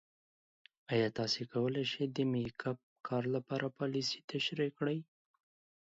ایا تاسو کولی شئ د میک اپ کار لپاره پالیسۍ تشریح کړئ؟